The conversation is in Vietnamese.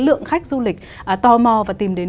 lượng khách du lịch tò mò và tìm đến